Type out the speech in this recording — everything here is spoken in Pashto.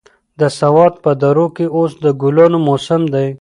د سوات په درو کې اوس د ګلانو موسم دی.